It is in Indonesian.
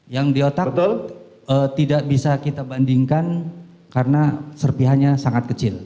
yang di otak tidak bisa kita bandingkan karena serpihannya sangat kecil